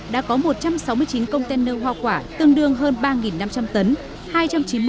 đã có một trăm sáu mươi chín container hoa quả tương đương hơn ba năm trăm linh tấn